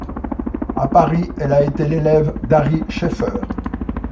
À Paris elle a été l'élève d'Ary Scheffer.